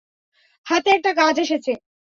হাতে একটা কাজ এসেছে।